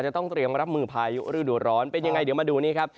จะต้องเตรียมรับมือพายุฤดูร้อนเป็นยังไงเดี๋ยวมาดูนี้ครับ